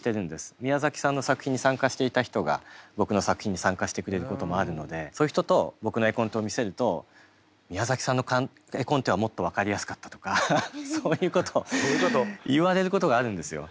宮崎さんの作品に参加していた人が僕の作品に参加してくれることもあるのでそういう人と僕の絵コンテを見せると「宮崎さんの絵コンテはもっと分かりやすかった」とかそういうことを言われることがあるんですよ。